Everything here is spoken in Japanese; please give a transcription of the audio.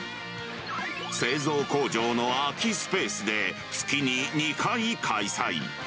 製造工場の空きスペースで、月に２回開催。